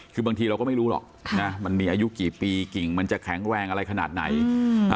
คือบางทีเราก็ไม่รู้หรอกค่ะนะมันมีอายุกี่ปีกิ่งมันจะแข็งแรงอะไรขนาดไหนอืม